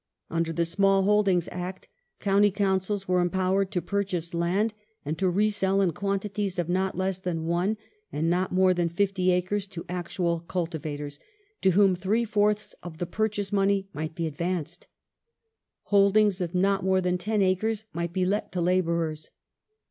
Under the Small Holdings Act County Councils were empowered to purchase land, and re sell in quantities of not less than one and not more than fifty acres to actual cultivatoi s, to whom three fourths of the purchase money might be advanced. Holdings of not more than ten acres might be let to labourei s.